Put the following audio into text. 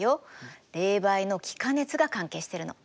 冷媒の気化熱が関係してるの。